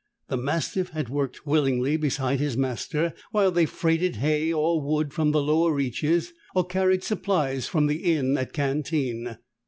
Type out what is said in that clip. The mastiff had worked willingly beside his master while they freighted hay or wood from the lower reaches or carried supplies from the inn at Cantine.